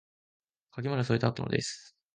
鍵まで添えてあったのです